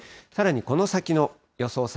さらにこの先の予想